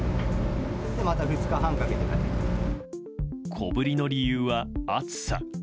小ぶりの理由は、暑さ。